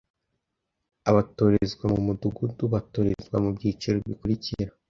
Abatorezwa mu Mudugudu batorezwa mu byiciro bikurikira: